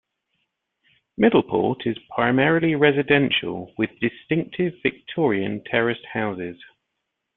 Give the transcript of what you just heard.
Middleport is primarily residential, with distinctive Victorian terraced houses.